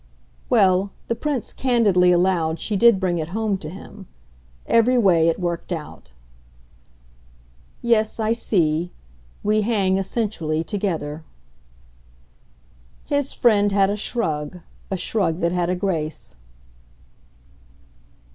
Well, the Prince candidly allowed she did bring it home to him. Every way it worked out. "Yes, I see. We hang, essentially, together." His friend had a shrug a shrug that had a grace.